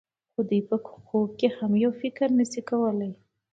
خو دوی په خوب کې هم یو فکر نشي کولای.